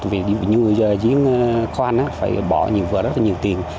vì những người diễn khoan phải bỏ vừa rất là nhiều tiền